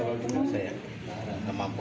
banyak yang saya tidak mampu